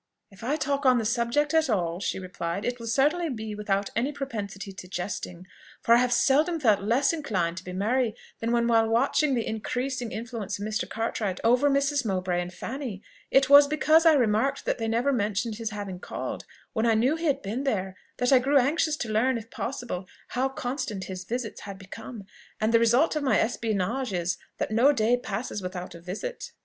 "If I talk on the subject at all," she replied, "it will certainly be without any propensity to jesting; for I have seldom felt less inclined to be merry than while watching the increasing influence of Mr. Cartwright over Mrs. Mowbray and Fanny. It was because I remarked that they never mentioned his having called, when I knew he had been there, that I grew anxious to learn, if possible, how constant his visits had become; and the result of my espionage is, that no day passes without a visit."